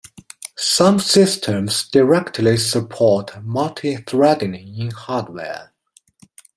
Some systems directly support multithreading in hardware.